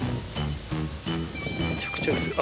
めちゃくちゃ薄い。